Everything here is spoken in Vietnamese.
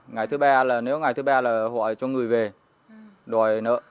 ngày thứ ba là nếu ngày thứ ba là hỏi cho người về đòi nợ